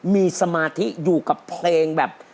มีสมาธิอยู่กับเพลงแบบ